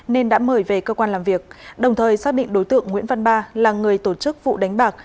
nên đã mời về cơ quan làm việc đồng thời xác định đối tượng nguyễn văn ba là người tổ chức vụ đánh bạc